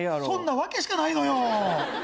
そんなわけしかないのよ。